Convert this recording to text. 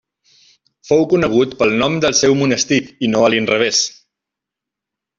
Fou conegut pel nom del seu monestir i no a l'inrevés.